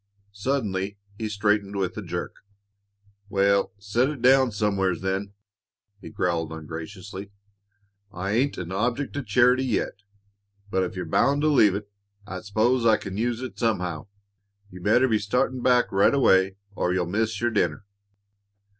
Suddenly he straightened with a jerk. "Wal, set it down somewheres, then!" he growled ungraciously. "I ain't an object o' charity yet, but if you're bound to leave it, I s'pose I can use it somehow. You'd better be startin' back right away or you'll miss your dinner."